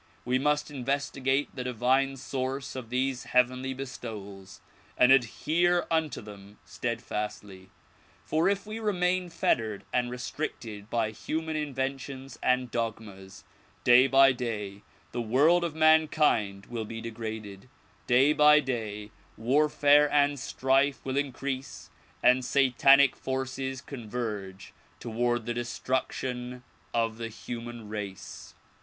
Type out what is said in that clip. We must inves tigate the divine source of these heavenly bestowals and adhere unto them steadfastly. For if we remain fettered and restricted by human inventions and dogmas, day by day the world of man kind will be degraded, day by day warfare and strife will increase and Satanic forces converge toward the destruction of the human race.